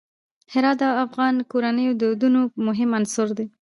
هرات د افغان کورنیو د دودونو مهم عنصر دی.